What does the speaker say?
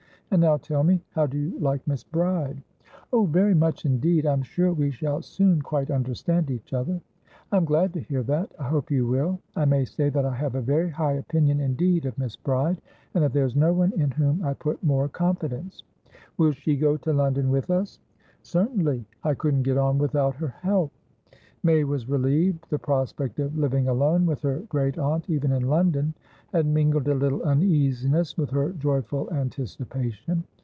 And now tell me, how do you like Miss Bride?" "Oh, very much indeed! I'm sure we shall soon quite understand each other." "I'm glad to hear that. I hope you will. I may say that I have a very high opinion indeed of Miss Bride, and that there's no one in whom I put more confidence." "Will she go to London with us?" "Certainly, I couldn't get on without her help." May was relieved. The prospect of living alone with her great aunt, even in London, had mingled a little uneasiness with her joyful anticipation.